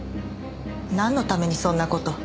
なんのためにそんな事。